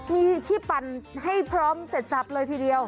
มีที่ปั่นให้พร้อมเสร็จสับเลยทีเดียว